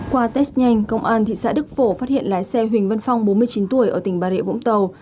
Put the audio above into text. qua test nhanh công an thị xã đức phổ phát hiện lái xe huỳnh văn phong bốn mươi chín tuổi ở tỉnh bà rịa vũng tàu